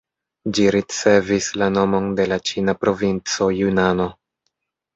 Ĝi ricevis la nomon de la ĉina provinco Junano.